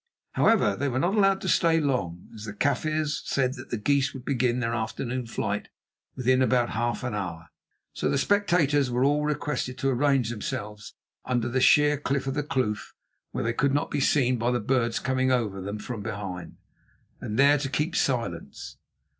However, they were not allowed to stay long, as the Kaffirs said that the geese would begin their afternoon flight within about half an hour. So the spectators were all requested to arrange themselves under the sheer cliff of the kloof, where they could not be seen by the birds coming over them from behind, and there to keep silence.